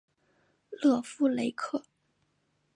勒夫雷克。